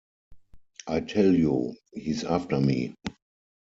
I tell you he's after me.